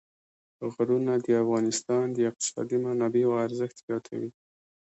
غرونه د افغانستان د اقتصادي منابعو ارزښت زیاتوي.